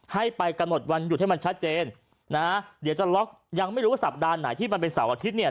ให้ไปกำหนดวันหยุดให้มันชัดเจนนะเดี๋ยวจะล็อกยังไม่รู้ว่าสัปดาห์ไหนที่มันเป็นเสาร์อาทิตย์เนี่ย